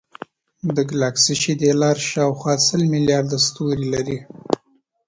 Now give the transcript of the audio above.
د ګلکسي شیدې لار شاوخوا سل ملیارده ستوري لري.